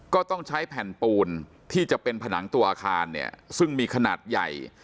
ก็ต้องใช้แผ่นปูนที่จะเป็นผนังตัวอาคารเนี่ยซึ่งมีขนาดใหญ่